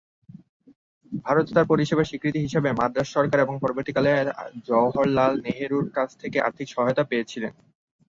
ভারতে তার পরিষেবার স্বীকৃতি হিসাবে মাদ্রাজ সরকার এবং পরবর্তীকালে জওহরলাল নেহেরুর কাছ থেকে আর্থিক সহায়তা পেয়েছিলেন।